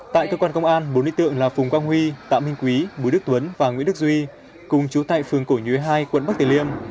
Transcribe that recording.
tại cơ quan công an bốn nữ tượng là phùng quang huy tạ minh quý bùi đức tuấn và nguyễn đức duy cùng chú tại phường cổ nhuế hai quận bắc tử liêm